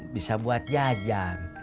bisa buat jajan